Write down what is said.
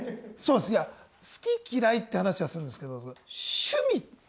いや好き嫌いって話はするんですけど趣味って。